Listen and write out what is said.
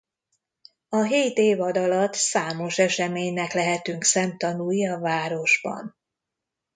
A hét évad alatt számos eseménynek lehetünk szemtanúi a városban.